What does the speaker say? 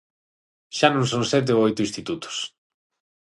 Xa non son sete ou oito institutos.